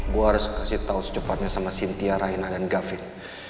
gue harus kasih tahu secepatnya sama sintia raina dan gavin